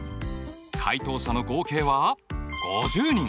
回答者の合計は５０人。